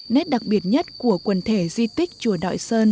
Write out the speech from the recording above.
nét đặc biệt nhất của quần thể di tích chùa đại sơn